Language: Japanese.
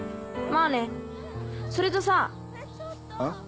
まぁねそれとさ。え？